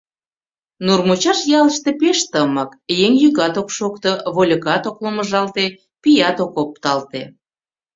Нурмучаш ялыште пеш тымык: еҥ йӱкат ок шокто, вольыкат ок ломыжалте, пият ок опталте.